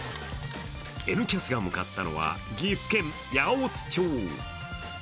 「Ｎキャス」が向かったのは岐阜県八百津町。